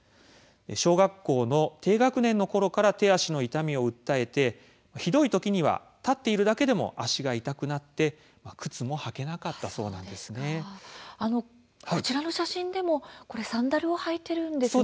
小学校の低学年のころから手足の痛みを訴えてひどい時には立っているだけでも足が痛くなってこちらの写真でもサンダルを履いているんですね。